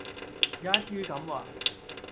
一於咁話